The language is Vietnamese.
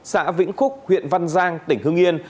xã vĩnh khúc huyện văn giang tỉnh hương yên